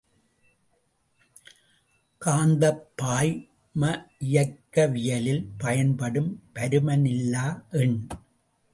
காந்தப் பாய்ம இயக்கவியலில் பயன்படும் பருமனில்லா எண்.